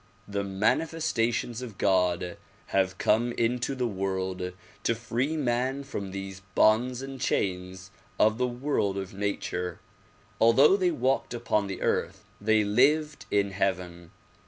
The manifestations of God have come into the world to free man from these bonds and chains of the world of nature. Although they walked upon the earth they lived in heaven.